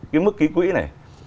cái mức ký quỹ này